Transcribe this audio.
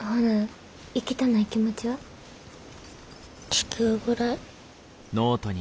地球ぐらい。